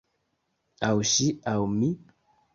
Aŭ ŝi aŭ mi!